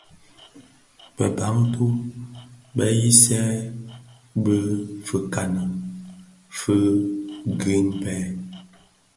Bi Bantu (Bafia) byodhi bi nyisen bi fikani Greenberg,